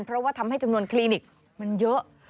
เพราะว่าทำให้จำนวนคลินิกมันเยอะ